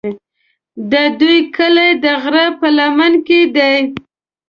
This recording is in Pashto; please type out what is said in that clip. د دوی کلی د غره په لمن کې دی.